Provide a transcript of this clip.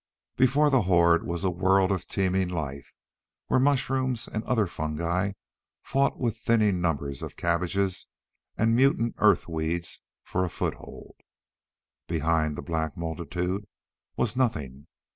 Before the horde was a world of teeming life, where mushrooms and other fungi fought with thinning numbers of cabbages and mutant earth weeds for a foothold. Behind the black multitude was nothing.